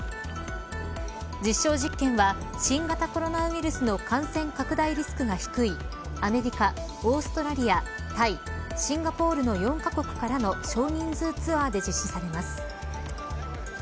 実証実験は新型コロナウイルスの感染拡大リスクが低いアメリカ、オーストラリアタイ、シンガポールの４カ国からの少人数ツアーで実施されます。